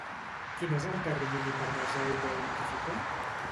Quin és el termini per resoldre i notificar?